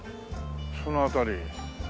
その辺り。